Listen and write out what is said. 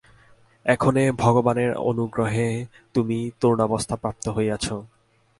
এক্ষণে ভগবানের অনুগ্রহে তুমি তরুণাবস্থা প্রাপ্ত হইয়াছ।